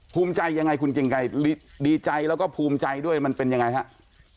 ภูมิใจยังไงคุณเกรงไกรดีใจแล้วก็ภูมิใจด้วยมันเป็นยังไงครับ